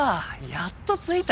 やっと着いた。